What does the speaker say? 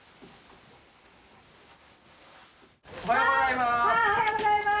おはようございます！